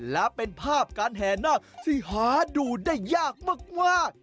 และเป็นภาพการแห่นาคที่หาดูได้ยากมาก